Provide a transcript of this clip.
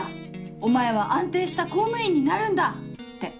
お前は安定した公務員になるんだ」って。